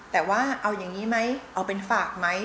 แต่ว่าเอาอย่างนี้ไหมเอาเป็นฝากไหม